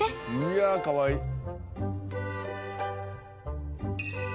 いやあかわいい。